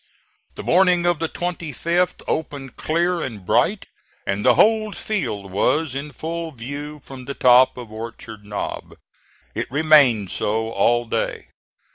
The morning of the 25th opened clear and bright, and the whole field was in full view from the top of Orchard Knob. It remained so all day.